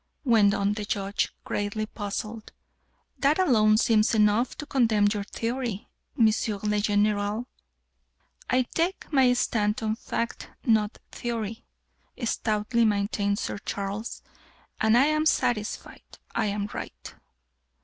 went on the Judge, greatly puzzled. "That alone seems enough to condemn your theory, M. le General." "I take my stand on fact, not theory," stoutly maintained Sir Charles, "and I am satisfied I am right."